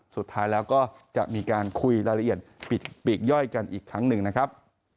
สุดท้ายแล้วก็จะมีการคุยรายละเอียดปีกย่อยกันอีกครั้งหนึ่งนะครับ